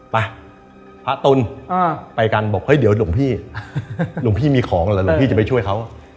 ไปพระตุลไปกันบอกเฮ้ยเดี๋ยวหลวงพี่หลวงพี่มีของเหรอหลวงพี่จะไปช่วยเขา